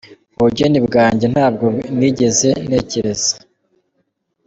Ubugeni bwanjye Ntabwo nigeze ntekereza.